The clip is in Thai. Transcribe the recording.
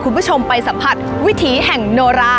คุณผู้ชมอยู่กับดิฉันใบตองราชนุกูลที่จังหวัดสงคลาค่ะ